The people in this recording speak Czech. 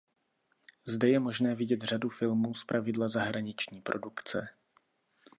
Zde je možné vidět řadu filmů zpravidla zahraniční produkce.